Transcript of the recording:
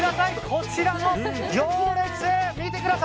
こちらの行列！